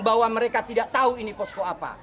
bahwa mereka tidak tahu ini posko apa